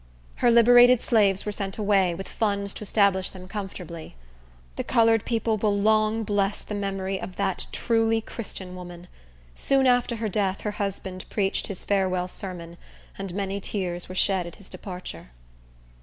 Her liberated slaves were sent away, with funds to establish them comfortably. The colored people will long bless the memory of that truly Christian woman. Soon after her death her husband preached his farewell sermon, and many tears were shed at his departure.